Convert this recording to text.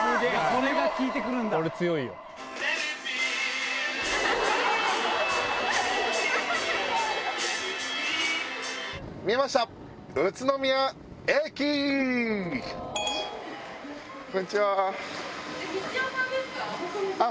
こんにちは。